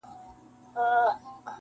تښتي خوب له شپو څخه- ورځي لکه کال اوږدې-